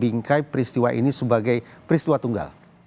saya akan menganggap peristiwa ini sebagai peristiwa tunggal